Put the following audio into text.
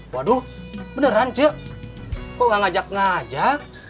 waduh beneran cik kok gak ngajak ngajak